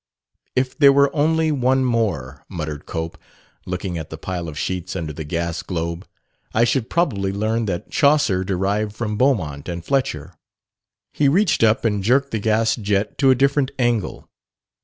"If there were only one more," muttered Cope, looking at the pile of sheets under the gas globe, "I should probably learn that Chaucer derived from Beaumont and Fletcher." He reached up and jerked the gas jet to a different angle.